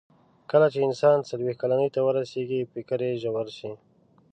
کله چې انسان څلوېښت کلنۍ ته ورسیږي، فکر یې ژور شي.